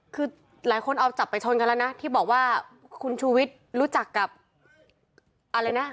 คือหลายคนเอาจับไปชนกันแล้วนะที่บอกว่าคุณชูวิทย์รู้จักกับอะไรนะ